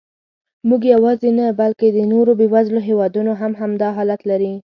موږ یواځې نه، بلکې د نورو بېوزلو هېوادونو هم همدا حالت لري.